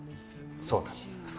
そうなんです。